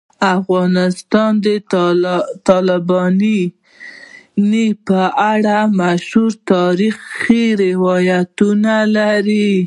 افغانستان د تالابونو په اړه مشهور تاریخی روایتونه لري.